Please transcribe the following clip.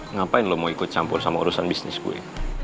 ngapain lu mau ikut campur sama urusan bisnis gua